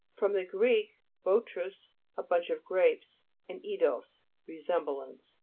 gr. botrus, a bunch of grapes, and eidos, resemblance.